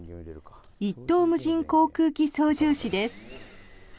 一等無人航空機操縦士です。